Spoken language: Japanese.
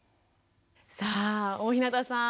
さあ大日向さん